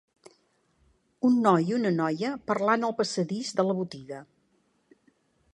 Un noi i una noia parlant al passadís de la botiga.